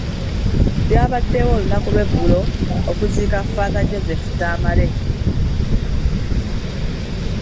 Byabaddewo olunaku lw'eggulo okuziika Ffaaza Joseph Tamale.